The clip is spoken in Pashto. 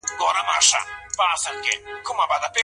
د پېغلي نجلۍ اجازه په نکاح کي څنګه وي؟